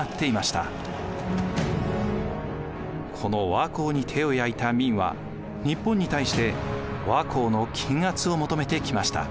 この倭寇に手を焼いた明は日本に対して倭寇の禁圧を求めてきました。